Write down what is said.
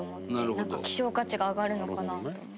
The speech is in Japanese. なんか、希少価値が上がるのかなと思ったり。